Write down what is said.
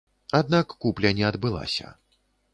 Аднак купля не адбылася.